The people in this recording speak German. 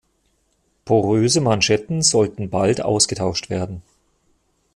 Poröse Manschetten sollten bald ausgetauscht werden.